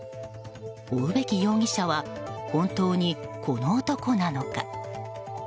追うべき容疑者は本当にこの男なのか？